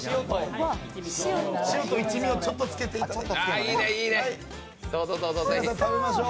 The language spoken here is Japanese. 塩と一味をちょっとつけていただいて。